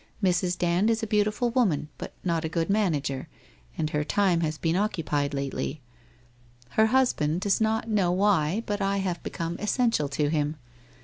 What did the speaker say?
Mrs. Dand is a beautiful woman, but not a good manager, and her time has been occupied lately. Her husband does not know 144 WHITE ROSE OF WEARY LEAF why, but I have become essential to him.